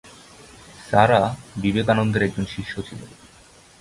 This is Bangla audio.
সারা বিবেকানন্দের একজন শিষ্য ছিলেন।